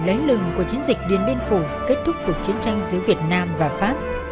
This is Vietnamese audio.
tiếng lừng của chiến dịch điên bên phủ kết thúc cuộc chiến tranh giữa việt nam và pháp